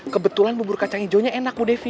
kebetulan bubur kacang hijaunya enak bu devi